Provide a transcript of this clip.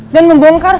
dan membongkar dia